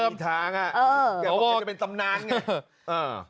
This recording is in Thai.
ไม่มีทางอะเหมือนจะเป็นสำนางไง